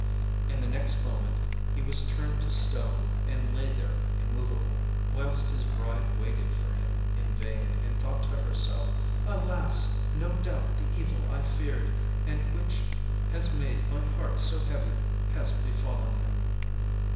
and the next moment he was turned to stone and lay there immovable, whilst his bride waited for him in vain and thought to herself, 'Alas! no doubt the evil I feared, and which has made my heart so heavy, has befallen him.